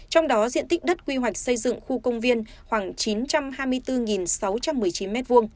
trong đó diện tích đất quy hoạch xây dựng khu công viên khoảng chín trăm hai mươi bốn sáu trăm một mươi chín m hai